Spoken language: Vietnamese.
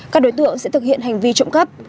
các đối tượng sẽ thực hiện hành vi trộm cắp